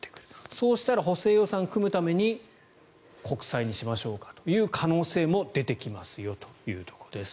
そうしたら補正予算を組むために国債にしましょうかという可能性も出てきますよというところです。